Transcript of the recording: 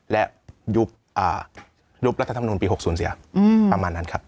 และยุบรัฐธรรมนุนปี๖๐เสียประมาณนั้นครับ